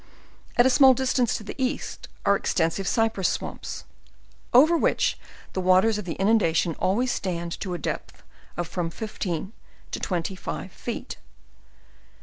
At a small distance to the east are ex tensive cypress swamps, over which the waters of the inun dation always stand to the depth of from fifteen to twenty five feet.